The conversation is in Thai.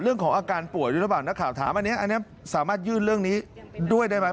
เรื่องของอาการป่วยด้วยหรือเปล่านักข่าวถามอันนี้อันนี้สามารถยื่นเรื่องนี้ด้วยได้ไหม